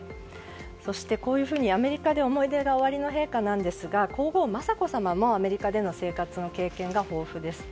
そして、こういうふうにアメリカで思い出がおありの陛下なんですが皇后・雅子さまもアメリカでの生活の経験が豊富です。